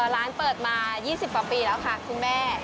ร้านเปิดมา๒๐กว่าปีแล้วค่ะคุณแม่